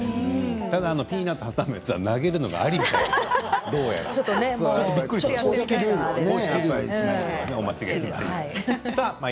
ただあの、ピーナツ挟むやつは投げるのもありみたい。